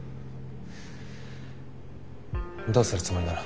どうするつもりなの？